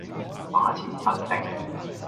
把持不定